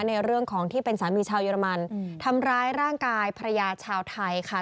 ในเรื่องของที่เป็นสามีชาวเยอรมันทำร้ายร่างกายภรรยาชาวไทยค่ะ